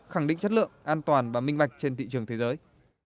khẳng định chất lượng an toàn và minh mạch trên thị trường thế giới